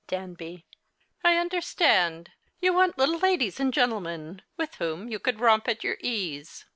Danby. I understand. You want little ladies and gentlemen, with whom you could romp at your ease.